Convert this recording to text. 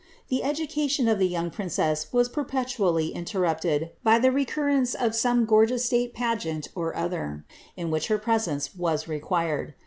The education of the young princess was perpetually interrupted by the recurrence of some gorgeous state pageant or other, in which her presence was required.